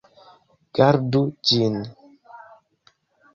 Gardu ĝin.